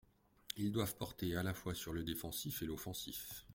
Ils doivent porter à la fois sur le défensif et l’offensif.